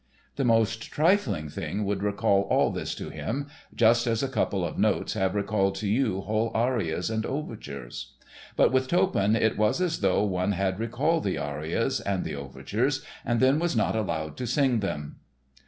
The most trifling thing would recall all this to him, just as a couple of notes have recalled to you whole arias and overtures. But with Toppan it was as though one had recalled the arias and the overtures and then was not allowed to sing them.